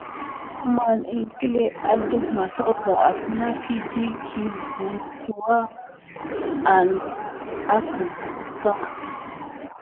Əmɑŋə iŋklé adef masirka asna ki di kil butua an akebitka.